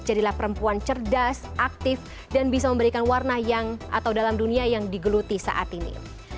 jadilah perempuan cerdas aktif dan bisa memberikan warna yang atau dalam dunia yang digeluti saat ini